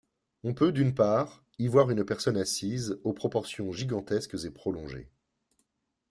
On peut d'une part y voir une personne assise, aux proportions gigantesques et prolongées.